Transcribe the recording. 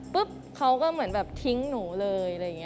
ปุ๊บเขาก็เหมือนทิ้งหนูเลย